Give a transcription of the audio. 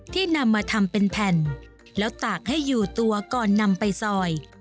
นำมาทำเป็นแผ่นแล้วตากให้อยู่ตัวก่อนนำไปซอย